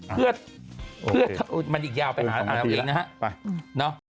เพื่อมันอีกยาวไปอ่านเอาเองนะฮะ